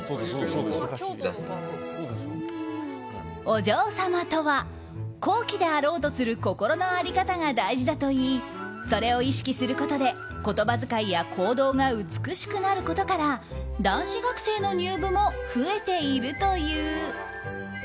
お嬢様とは高貴であろうとする心の在り方が大事だといいそれを意識することで言葉遣いや行動が美しくなることから男子学生の入部も増えているという。